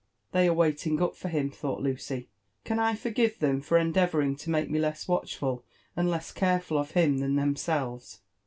" They are waiting np for him," thought Lucy: can I forgive th^m foreiTdeavourtngtb make nfe less watchful addlete careful of hini than themselves?"